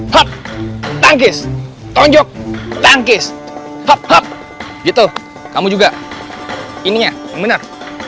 hap tangkis tonjok tangkis hap hap gitu kamu juga ininya benar